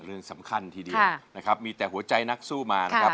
เรื่องสำคัญทีเดียวนะครับมีแต่หัวใจนักสู้มานะครับ